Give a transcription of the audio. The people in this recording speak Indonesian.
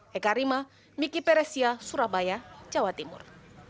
heka rima miki peresia surabaya jawa timur